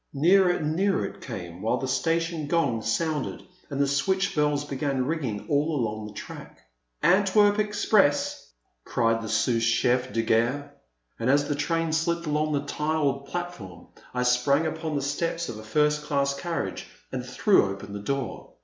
Nearer and nearer it came while the station gongs sounded and the switch bells began ringing all along the track. * 'Antwerp express!'* cried the Sous Chef de 396 The Man at the Next Table. Gare, and as the train slipped along the tiled platform I sprang upon the steps of a first class carriage and threw open the door.